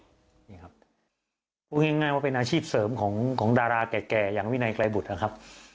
พูดง่ายว่าเป็นอาชีพเสริมของดาราแก่อย่างวินัยไกรบุตรนะครับ